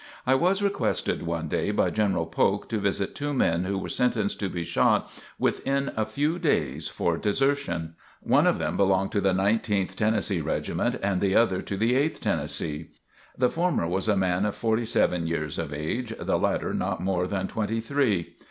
I was requested one day by General Polk to visit two men who were sentenced to be shot within a few days for desertion. One of them belonged to the Nineteenth Tennessee Regiment and the other to the Eighth Tennessee. The former was a man forty seven years of age, the latter not more than twenty three.